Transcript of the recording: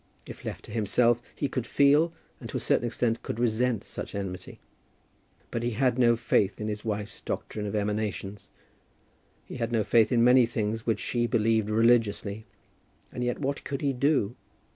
If left to himself he could feel and to a certain extent could resent such enmity. But he had no faith in his wife's doctrine of emanations. He had no faith in many things which she believed religiously; and yet what could he do?